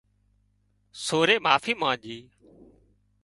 سورئي معافي مانڄي